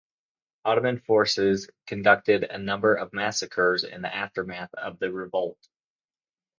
Ottoman forces conducted a number of massacres in the aftermath of the revolt.